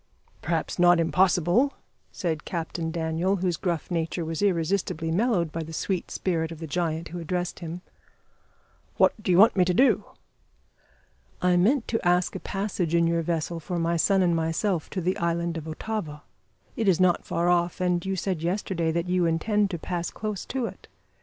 "Perhaps not impossible," said Captain Daniel, whose gruff nature was irresistibly mellowed by the sweet spirit of the giant who addressed him. "What d'ye want me to do?" "I meant to ask a passage in your vessel for my son and myself to the island of Otava. It is not far off, and you said yesterday that you intend to pass close to it.